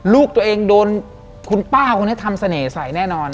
ลูกตัวเองโดนคุณป้าคนนี้ทำเสน่ห์ใส่แน่นอน